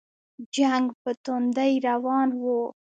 جنګ په توندۍ روان وو.